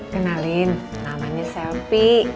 kenalin namanya selvi